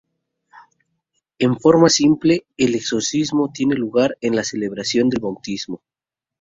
En forma simple, el exorcismo tiene lugar en la celebración del Bautismo.